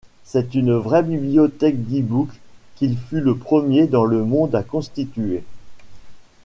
C'est une vraie bibliothèque d'e-book qu'il fut le premier dans le monde à constituer.